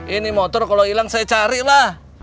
ini motor kalau hilang saya cari lah